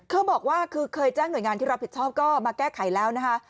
เขาบอกว่าคือเคยแจ้งหน่วยงานที่รับผิดชอบก็มาแก้ไขแล้วนะคะ